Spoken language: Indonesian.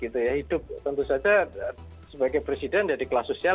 hidup tentu saja sebagai presiden dari kelas sosial